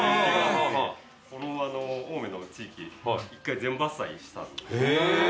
この青梅の地域１回全伐採したんです。